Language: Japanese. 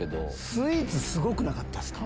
スイーツすごくなかったですか？